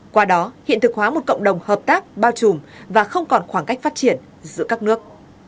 qua đó hiện thực hóa một cộng đồng hợp tác bao trùm và không còn khoảng cách phát triển giữa các nước